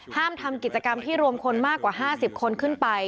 ทำกิจกรรมที่รวมคนมากกว่า๕๐คนขึ้นไป